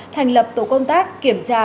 thành lập tổ công tác kiểm tra